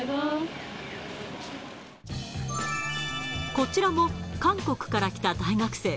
こちらも、韓国から来た大学生。